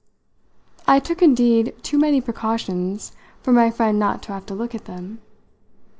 I took indeed too many precautions for my friend not to have to look at them.